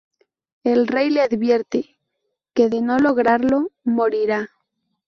El rey le advierte que, de no lograrlo, morirá.